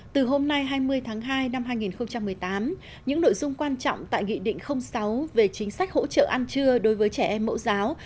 từ hôm nay hai mươi tháng hai năm hai nghìn một mươi tám những nội dung quan trọng tại nghị định sáu về chính sách hỗ trợ ăn trưa đối với trẻ em mẫu giáo